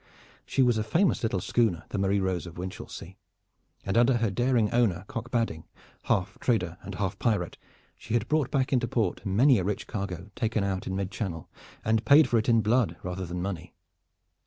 She was a famous little schooner, the Marie Rose of Winchelsea, and under her daring owner Cock Badding, half trader and half pirate, had brought back into port many a rich cargo taken in mid Channel, and paid for in blood rather than money.